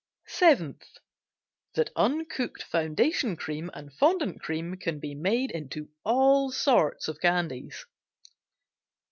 SEVENTH. That uncooked foundation cream and fondant cream can be made into all sorts of candies.